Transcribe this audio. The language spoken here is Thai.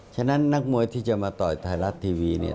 ฉะนั้นนักมวยที่จะมาต่อยไทยรัฐทีวีเนี่ย